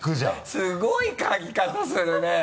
すごい嗅ぎ方するね。